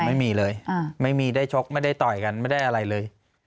ไม่มีเลยไม่มีได้ชกไม่ได้ต่อยกันไม่ได้อะไรเลย